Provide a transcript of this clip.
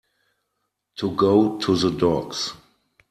To go to the dogs.